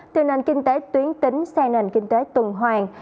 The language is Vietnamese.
từ nền kinh tế tuyến tính sang nền kinh tế tuần hoàng